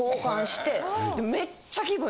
めっちゃ気分ええ。